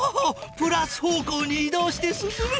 プラス方向にい動して進む。